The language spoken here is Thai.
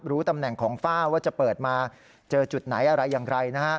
ตำแหน่งของฝ้าว่าจะเปิดมาเจอจุดไหนอะไรอย่างไรนะฮะ